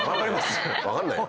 分かんないよ。